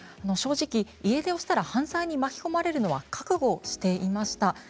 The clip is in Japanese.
正直、家出をしたら犯罪に巻き込まれるのは覚悟していました。